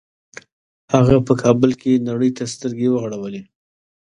هغه په کابل کې نړۍ ته سترګې وغړولې